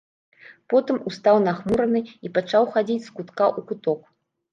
Потым устаў нахмураны і пачаў хадзіць з кутка ў куток.